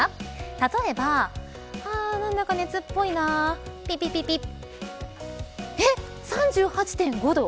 例えばなんか熱っぽいなピピピピ３８．５度。